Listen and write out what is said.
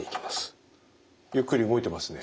ゆっくり動いてますね。